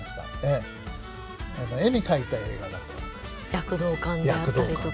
躍動感であったりとか。